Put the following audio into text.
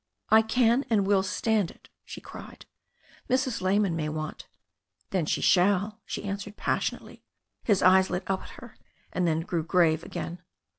"I can and will stand it," she cried. "Mrs. Lyman might want " "Then she shall," she answered passionately. His eyes lit up at her and then grew grave again.